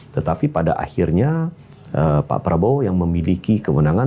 tetapi pada akhirnya pak prabowo yang memiliki kewenangan